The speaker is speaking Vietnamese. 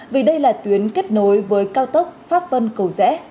vì đây là tuyến kết nối với cao tốc pháp vân cầu rẽ